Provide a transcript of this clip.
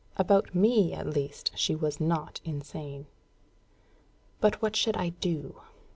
About me, at least, she was not insane. But what should I do?